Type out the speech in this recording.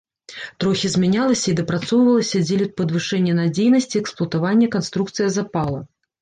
Трохі змянялася і дапрацоўвалася дзеля падвышэння надзейнасці эксплуатавання канструкцыя запала.